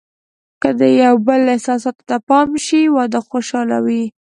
که د یو بل احساساتو ته پام وشي، واده خوشحاله وي.